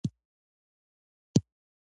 نن سبا احمد په ټول کلي باندې اقتدار چلوي.